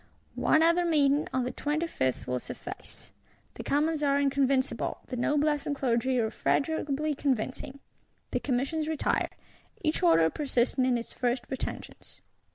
One other meeting, on the 25th, will suffice: the Commons are inconvincible, the Noblesse and Clergy irrefragably convincing; the Commissions retire; each Order persisting in its first pretensions.